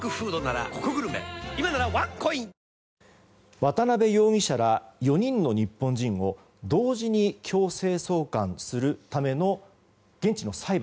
渡邉容疑者ら４人の日本人を同時に強制送還するための現地の裁判。